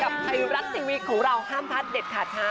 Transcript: ไทยรัฐทีวีของเราห้ามพลาดเด็ดขาดค่ะ